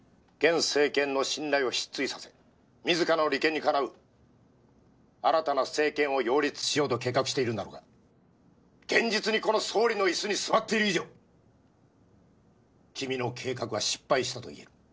「現政権の信頼を失墜させ自らの利権にかなう新たな政権を擁立しようと計画しているんだろうが現実にこの総理の椅子に座っている以上君の計画は失敗したと言える。